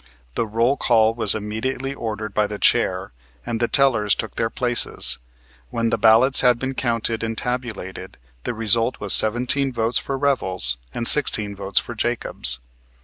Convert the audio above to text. The roll call was immediately ordered by the chair and the tellers took their places. When the ballots had been counted and tabulated, the result was seventeen votes for Revels and sixteen votes for Jacobs.